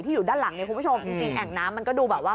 อยู่ด้านหลังเนี่ยคุณผู้ชมจริงแอ่งน้ำมันก็ดูแบบว่า